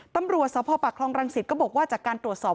ตำรวจสพปากคลองรังสิตก็บอกว่าจากการตรวจสอบ